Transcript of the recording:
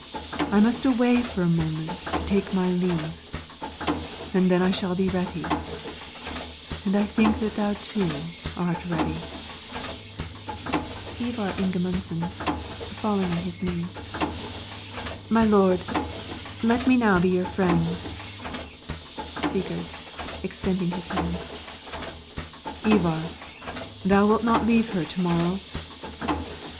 I must away for a moment to take my leave, and then I shall be ready, and I think that thou too art ready. Ivar Ingemundson [falling on his knee] My lord, now let me be your friend. Sigurd [extending his hand] Ivar, thou wilt not leave her to morrow?